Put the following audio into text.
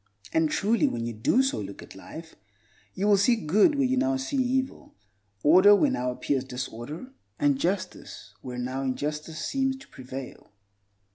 And truly when you do so look at life, you will see good where you now see evil, order where now appears disorder, and justice where now injustice seems to prevail.